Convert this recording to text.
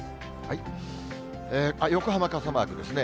横浜傘マークですね。